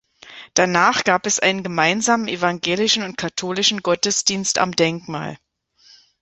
Danach gab es einen gemeinsamen evangelischen und katholischen Gottesdienst am Denkmal.